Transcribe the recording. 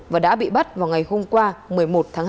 và đã bị bắt vào ngày hôm qua một mươi một tháng hai